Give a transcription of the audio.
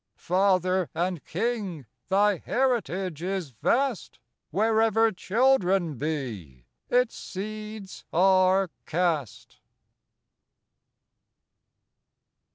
Father and King! thy heritage is vast; Wherever children be, its seeds are cast.